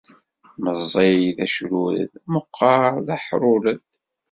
Meẓẓi d acrured, meqqeṛ d aḥrured.